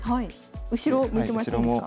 後ろ向いてもらっていいですか？